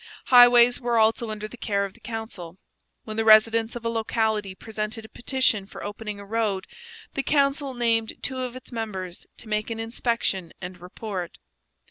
Highways were also under the care of the council. When the residents of a locality presented a petition for opening a road, the council named two of its members to make an inspection and report.